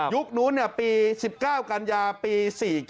นู้นปี๑๙กันยาปี๔๙